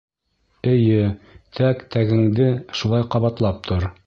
— Эйе, «тәк-тәгеңде» шулай ҡабатлап тор.